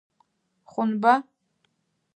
Хъунба?